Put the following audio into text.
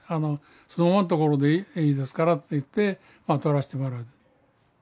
「そのままのところでいいですから」と言って撮らせてもらう。